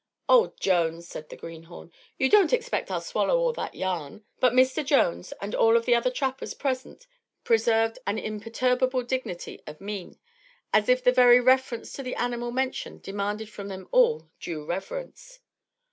"Oh! Jones," said the greenhorn, "you don't expect I'll swallow all that yarn?" But Mr. Jones and all of the other trappers present preserved an imperturbable dignity of mien, as if the very reference to the animal mentioned demanded from them all due reverence.